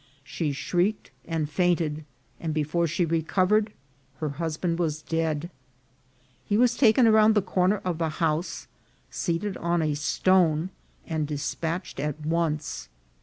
She shrieked and fainted, and before she recovered her husband was dead. He was taken around the corner of the house, seated on a stone, and despatched at once.